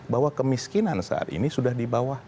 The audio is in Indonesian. bahwa kemiskinan saat ini sudah di bawah